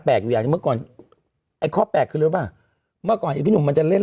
อยู่อย่างเมื่อก่อนไอ้ข้อแปลกคือรู้ป่ะเมื่อก่อนไอ้พี่หนุ่มมันจะเล่น